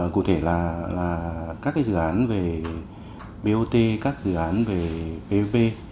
cụ thể là các dự án về bot các dự án về pop